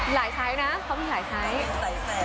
หลายไซส์นะเขามีหลายไซส์